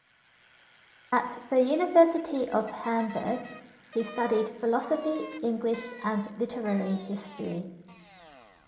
At the University of Hamburg he studied philosophy, English, and literary history.